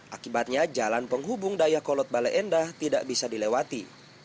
akibatnya jalan penghubung daya kolot bale endah tidak bisa dilewati